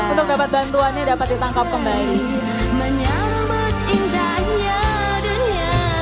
untuk dapat bantuannya dapat ditangkap kembali